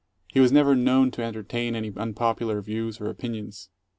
He was never known to entertain any unpopular views or opinions.